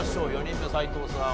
４人目斎藤さん